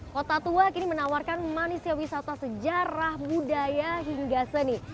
kota tua kini menawarkan manisnya wisata sejarah budaya hingga seni